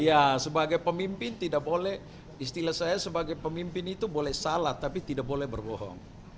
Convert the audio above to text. ya sebagai pemimpin tidak boleh istilah saya sebagai pemimpin itu boleh salah tapi tidak boleh berbohong